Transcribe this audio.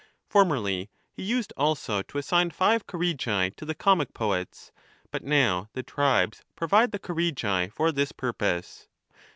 Formerly he used also to assign five Choregi to the comic poets, but now the tribes provide the Choregi for this purpose.